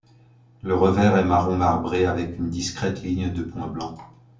Le revers est marron marbré avec une discrète ligne de points blancs.